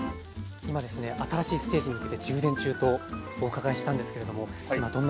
今ですね新しいステージに向けて充電中とお伺いしたんですけれども今どんな状況なんでしょうか？